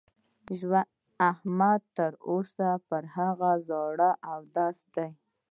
احمد تر اوسه پر هغه زاړه اودس دی.